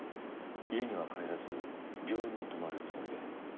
家には帰らず病院に泊まるつもりで。